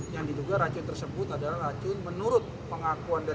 yang diduga racun tersebut adalah racun menurut pengakuan